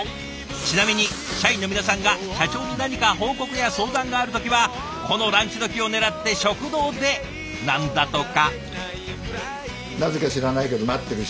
ちなみに社員の皆さんが社長に何か報告や相談がある時はこのランチ時を狙って食堂でなんだとか。